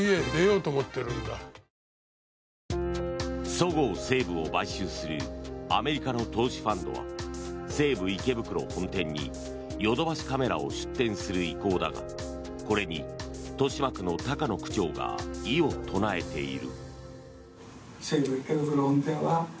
そごう・西武を買収するアメリカの投資ファンドは西武池袋本店にヨドバシカメラを出店する意向だがこれに豊島区の高野区長が異を唱えている。